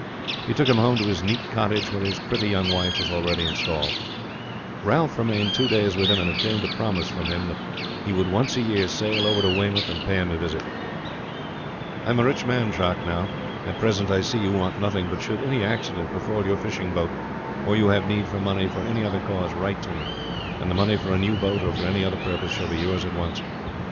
He took him home to his neat cottage where his pretty young wife was already installed. Ralph remained two days with him, and obtained a promise from him that he would once a year sail over to Weymouth and pay him a visit. "I am a rich man, Jacques, now. At present I see you want nothing, but should any accident befall your fishing boat, or you have need for money for any other cause, write to me, and the money for a new boat or for any other purpose shall be yours at once.